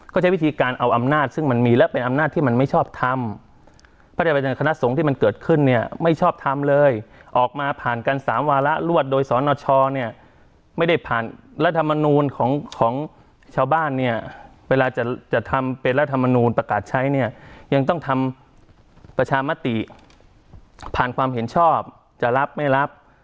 ก็ใช้วิธีการเอาอำนาจซึ่งมันมีและเป็นอำนาจที่มันไม่ชอบทำพระเจ้าประจำคณะสงฆ์ที่มันเกิดขึ้นเนี่ยไม่ชอบทำเลยออกมาผ่านกันสามวาระรวดโดยสนชเนี่ยไม่ได้ผ่านรัฐมนูลของของชาวบ้านเนี่ยเวลาจะจะทำเป็นรัฐมนูลประกาศใช้เนี่ยยังต้องทำประชามติผ่านความเห็นชอบจะรับไม่รับ